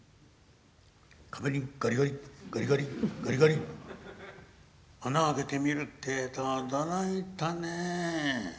「壁にガリガリガリガリガリガリ穴開けて見るってえと驚いたね。